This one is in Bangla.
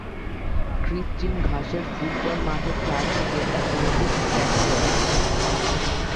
কৃত্রিম ঘাসের ফুটবল মাঠের চারদিকে অ্যাথলেটিক্স ট্র্যাক রয়েছে।